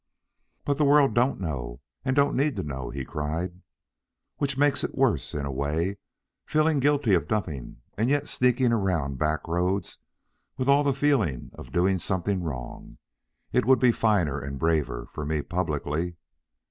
"But the world don't know and don't need to know," he cried. "Which makes it worse, in a way, feeling guilty of nothing and yet sneaking around back roads with all the feeling of doing something wrong. It would be finer and braver for me publicly..."